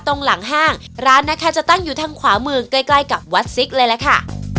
ตรงหลังห้างร้านนะคะจะตั้งอยู่ทางขวามือใกล้ใกล้กับวัดซิกเลยล่ะค่ะ